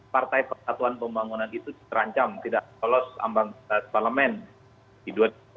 partai pertatuan pembangunan itu terancam tidak solos ambang ambang di dua ribu empat